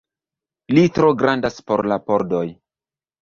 Li tro grandas por la pordoj